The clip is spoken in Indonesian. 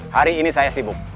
hari ini saya sibuk